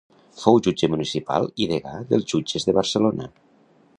Fou jutge municipal i degà dels jutges de Barcelona.